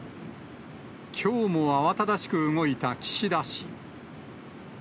きょうも慌ただしく動いた岸田氏。